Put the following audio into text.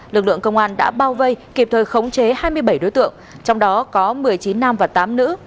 lực lượng công an đã bao vây kịp thời khống chế hai mươi bảy đối tượng trong đó có một mươi chín nam và tám nữ